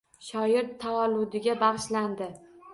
Shoir tavalludiga bag‘ishlandi